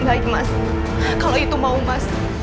baik mas kalau itu mau mas